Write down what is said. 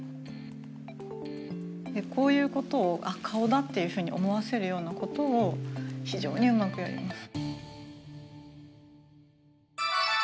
こういうことを「あっ顔だ」っていうふうに思わせるようなことを非常にうまくやります。